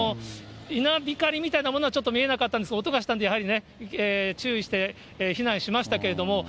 稲光みたいなものはちょっと見えなかったんですが、音がしたんで、やはりね、注意して避難しましたけれども。